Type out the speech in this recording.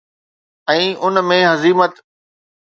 ۽ ان ۾ حزيمت